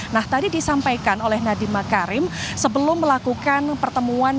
nah tadi disampaikan oleh nadiem makarim sebelum melakukan pertemuan